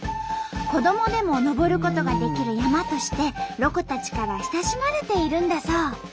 子どもでも登ることができる山としてロコたちから親しまれているんだそう。